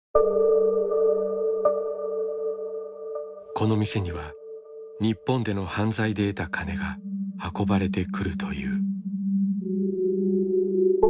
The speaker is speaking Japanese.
この店には日本での犯罪で得たカネが運ばれてくるという。